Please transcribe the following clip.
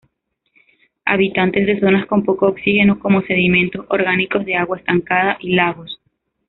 Habitante de zonas con poco oxígeno como sedimentos orgánicos de agua estancada y lagos.